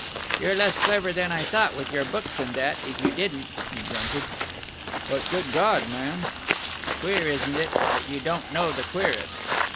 "You're less clever than I thought, with your books and that, if you didn't," he grunted. "But ... Good God, man!" "Queer, isn't it? But you don't know the queerest